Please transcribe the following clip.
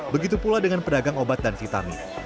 begitu pula dengan pedagang obat dan vitamin